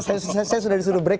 saya sudah disuruh break